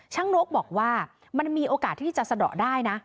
นรกบอกว่ามันมีโอกาสที่จะสะดอกได้นะ